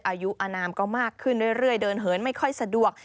อายุอนามก็มากขึ้นเรื่อยเดินเหินไม่ค่อยสะดวก